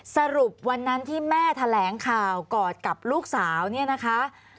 สรุปวันนั้นที่แม่แถลงข่าวกอดกับลูกสาวเนี่ยนะคะ